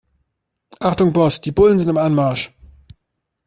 Achtung Boss, die Bullen sind im Anmarsch.